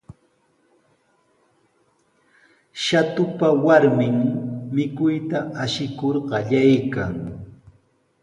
Shatupa warmin mikuyta ashikur qallaykan.